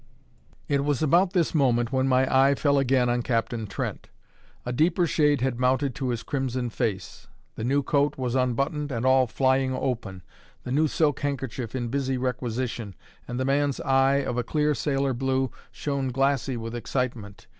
It was about this moment when my eye fell again on Captain Trent. A deeper shade had mounted to his crimson face: the new coat was unbuttoned and all flying open; the new silk handkerchief in busy requisition; and the man's eye, of a clear sailor blue, shone glassy with excitement.